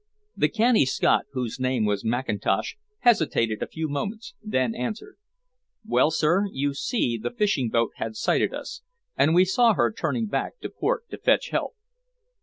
The canny Scot, whose name was Mackintosh, hesitated a few moments, then answered "Well, sir, you see the fishing boat had sighted us, and we saw her turning back to port to fetch help."